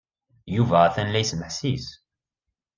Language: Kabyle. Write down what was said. Yuba atan la yesmeḥsis.